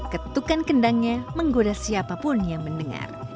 ketukan kendangnya menggoda siapapun yang mendengar